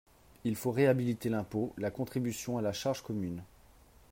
Il faut réhabiliter l’impôt, la contribution à la charge commune.